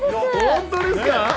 本当ですか？